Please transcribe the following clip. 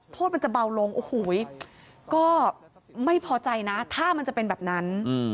โทษมันจะเบาลงโอ้โหก็ไม่พอใจนะถ้ามันจะเป็นแบบนั้น